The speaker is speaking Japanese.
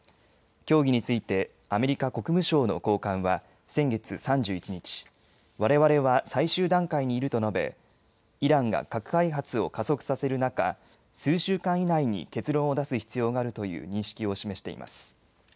協議について、アメリカ国務省の高官は、先月３１日、われわれは最終段階にいると述べ、イランが核開発を加速させる中、数週間以内に結論を出す必要があるという認識を示しています。